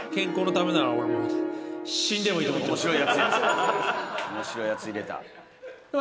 面白いやつ入れた。